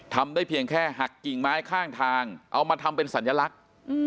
ทำได้เพียงแค่หักกิ่งไม้ข้างทางเอามาทำเป็นสัญลักษณ์